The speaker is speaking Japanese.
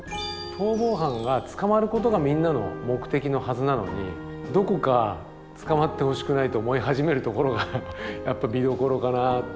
逃亡犯が捕まることがみんなの目的のはずなのにどこか捕まってほしくないと思い始めるところが見どころかな。